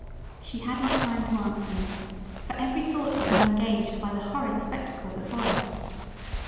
She had not time to answer me, for every thought was now engaged by the horrid spectacle before us.